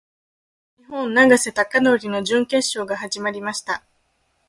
日本・永瀬貴規の準決勝が始まりました。